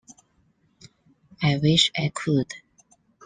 I wish I could.